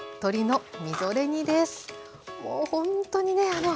もうほんとにね